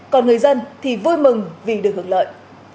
còn người dân thì vui mừng vì được hưởng lợi